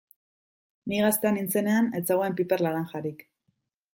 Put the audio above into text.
Ni gaztea nintzenean ez zegoen piper laranjarik.